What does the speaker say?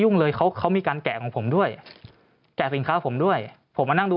เลยเขาเขามีการแกะของผมด้วยแกะสินค้าผมด้วยผมมานั่งดู